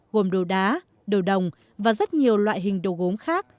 gồm đồ đá đồ đồng và rất nhiều loại hình đồ gốm khác